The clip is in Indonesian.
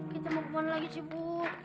kita mau pulang lagi sibuk